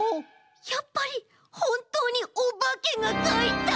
やっぱりほんとうにおばけがかいた！？